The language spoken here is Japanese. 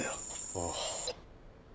ああ。